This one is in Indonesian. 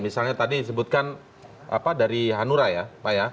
misalnya tadi disebutkan dari hanura ya pak ya